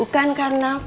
bukan karena apa